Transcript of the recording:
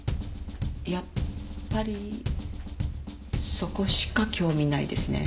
やっぱりそこしか興味ないですね。